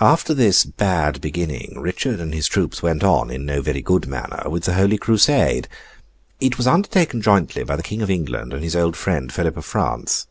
After this bad beginning, Richard and his troops went on, in no very good manner, with the Holy Crusade. It was undertaken jointly by the King of England and his old friend Philip of France.